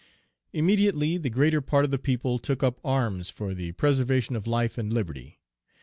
"Immediately, the greater part of the people took up arms for the preservation of life and liberty.